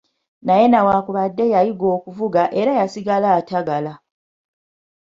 Naye newankubadde yayiga okuvuga era yasigala atagala.